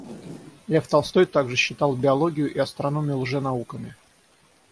Лев Толстой также считал биологию и астрономию лженауками.